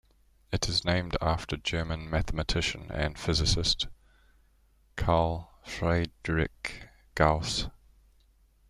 It is named after German mathematician and physicist Carl Friedrich Gauss.